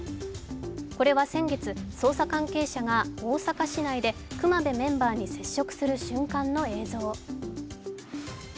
これは先月、捜査関係者が大阪市内で隈部メンバーに接触する瞬間の映像。